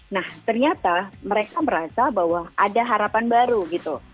nah ternyata mereka merasa bahwa ada harapan baru gitu